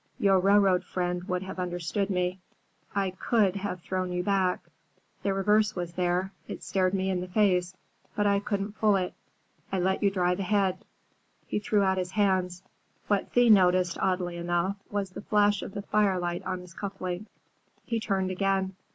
Your railroad friend would have understood me. I could have thrown you back. The reverse was there,—it stared me in the face,—but I couldn't pull it. I let you drive ahead." He threw out his hands. What Thea noticed, oddly enough, was the flash of the firelight on his cuff link. He turned again.